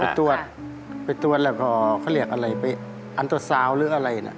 ไปตรวจไปตรวจแล้วก็เขาเรียกอะไรไปอันตราซาวหรืออะไรนะ